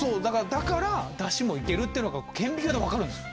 だからダシもいけるっていうのが顕微鏡で分かるんですよ！